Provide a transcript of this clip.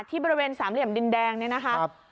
ที่บริเวณสามเหลี่ยมดินแดงเนี่ยนะคะ